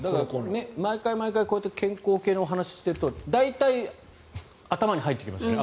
毎回毎回健康系の話をしてると大体頭に入ってきますね。